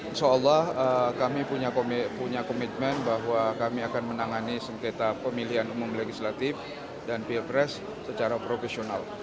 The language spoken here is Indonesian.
insya allah kami punya komitmen bahwa kami akan menangani sengketa pemilihan umum legislatif dan pilpres secara profesional